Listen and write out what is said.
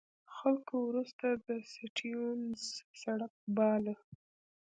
خلکو وروسته د سټیونز سړک باله.